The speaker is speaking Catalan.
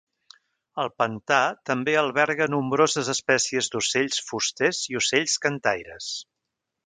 El pantà també alberga nombroses espècies d'ocells fusters i ocells cantaires.